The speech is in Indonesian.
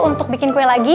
untuk bikin kue lagi